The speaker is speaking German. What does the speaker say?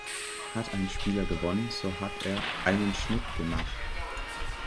Hat ein Spieler gewonnen, so hat er ""einen Schnitt gemacht"".